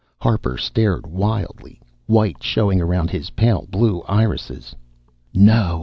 Harper stared wildly, white showing around his pale blue irises. "No!"